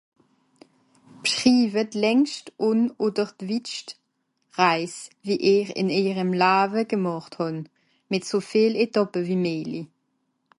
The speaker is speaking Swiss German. b'schriewe d'längscht ùn oder d'witscht Reise wie er ìn ejerem lawe gemàcht hàn mìt so viel etàppe wie meijli